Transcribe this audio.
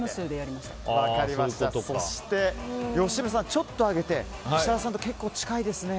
そして、吉村さんはちょっと上げて設楽さんと結構近いですね。